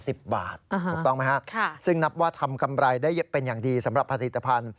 ถูกต้องไหมฮะค่ะซึ่งนับว่าทำกำไรได้เป็นอย่างดีสำหรับผลิตภัณฑ์